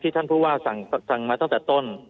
ท่านผู้ว่าสั่งมาตั้งแต่ต้น